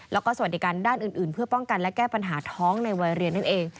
แล้วก็สวัสดิการด้านอื่นเพื่อป้องกันและแก้ปัญหาท้องในวัยเรียนนั่นเอง